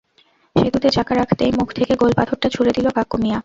সেতুতে চাকা রাখতেই মুখ থেকে গোল পাথরটা ছুড়ে দিল কাক্কু মিয়া।